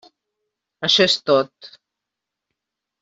Això és tot.